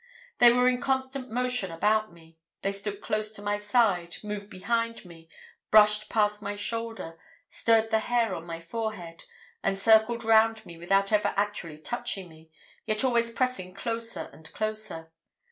"They were in constant motion about me. They stood close to my side; moved behind me; brushed past my shoulder; stirred the hair on my forehead; and circled round me without ever actually touching me, yet always pressing closer and closer.